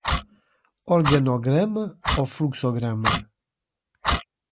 Organograma ou fluxograma